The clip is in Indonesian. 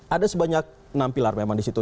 ada sebanyak enam pilar memang di situ